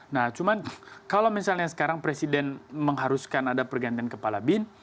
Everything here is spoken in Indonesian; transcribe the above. nah cuman kalau misalnya sekarang presiden mengharuskan ada pergantian kepala bin